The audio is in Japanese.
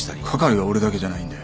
係は俺だけじゃないんで。